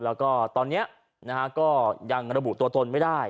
แล้วก็ตอนนี้ก็ยังระบุตัวตนไม่ได้